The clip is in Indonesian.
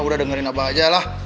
udah dengerin apa aja lah